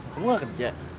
kamu gak kerja